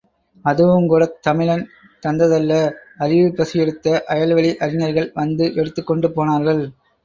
அதுவுங்கூடத் தமிழன் தந்ததல்ல அறிவுபசியெடுத்த அயல்வழி அறிஞர்கள் வந்து எடுத்துக்கொண்டு போனார்கள்!